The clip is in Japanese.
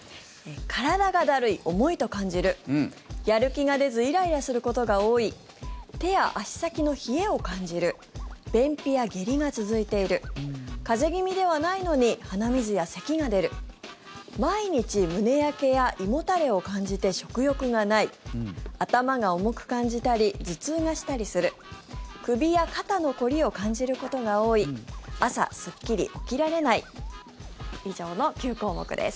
体がだるい・重いと感じるやる気が出ずイライラすることが多い手や足先の冷えを感じる便秘や下痢が続いている風邪気味ではないのに鼻水や、せきが出る毎日、胸焼けや胃もたれを感じて食欲がない頭が重く感じたり頭痛がしたりする首や肩の凝りを感じることが多い朝、すっきり起きられない以上の９項目です。